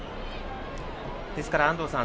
ですから安藤さん